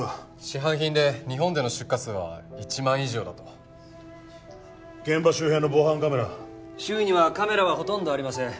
市販品で日本での出荷数は１万以上だと現場周辺の防犯カメラ周囲にはカメラはほとんどありません